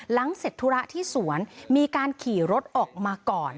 เสร็จธุระที่สวนมีการขี่รถออกมาก่อน